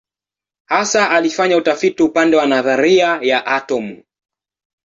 Hasa alifanya utafiti upande wa nadharia ya atomu.